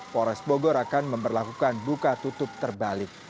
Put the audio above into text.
polres bogor akan memperlakukan buka tutup terbalik